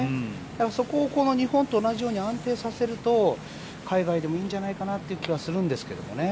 だからそこを日本と同じように安定させると海外でもいいんじゃないかという気はするんですけどね。